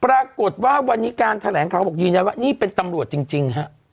ปรากฏว่าวันนี้การแถลงข่าวบอกยืนยันว่านี่เป็นตำรวจจริงฮะ